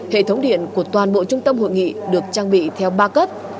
hệ thống điện của toàn bộ trung tâm hội nghị được trang bị theo ba cấp